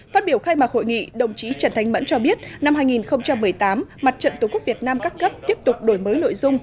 phát biểu khai mạc hội nghị đồng chí trần thanh mẫn cho biết năm hai nghìn một mươi tám mặt trận tổ quốc việt nam các cấp tiếp tục đổi mới nội dung